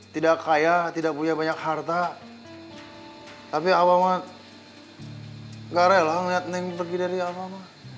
tidak kaya tidak punya banyak harta tapi abah mah gak rela ngeliat neng pergi dari abah mah